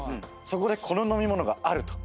そこでこの飲み物があると。